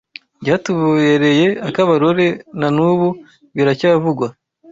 Byatubereye Akabarore nanubu biracyavugwa